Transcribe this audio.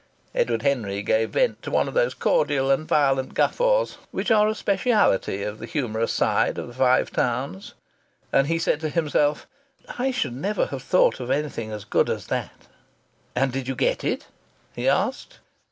Edward Henry gave vent to one of those cordial and violent guffaws which are a specialty of the humorous side of the Five Towns. And he said to himself: "I should never have thought of anything as good as that." "And did you get it?" he asked.